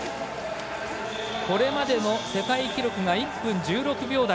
これまでの世界記録が１分１６秒台。